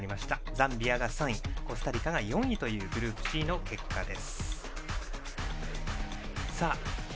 ザンビアが３位コスタリカが４位というグループＣの結果です。